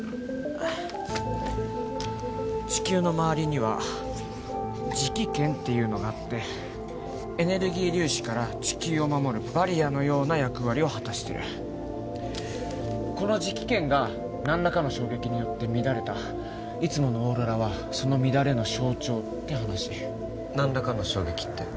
地球のまわりには磁気圏っていうのがあってエネルギー粒子から地球を守るバリアのような役割を果たしてるこの磁気圏が何らかの衝撃によって乱れたいつものオーロラはその乱れの象徴って話何らかの衝撃って？